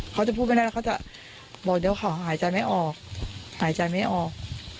เขาจะพูดไม่ได้แล้วเขาจะบอกเดี๋ยวเขาหายใจไม่ออกหายใจไม่ออก